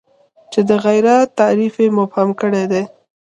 چې د غیرت تعریف یې مبهم کړی دی.